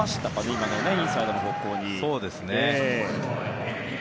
今の、インサイドの方向に。